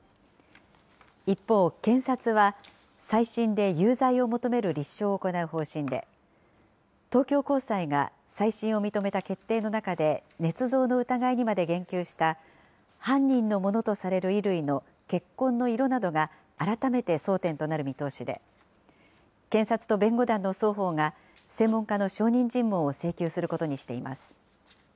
一方、検察は、再審で有罪を求める立証を行う方針で、東京高裁が再審を認めた決定の中で、ねつ造の疑いにまで言及した犯人のものとされる衣類の血痕の色などが改めて争点となる見通しで、検察と弁護団の双方が専門家の証人尋問を請求することにしています。